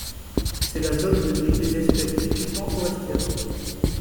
C'est la zone de vie des espèces typiquement forestières.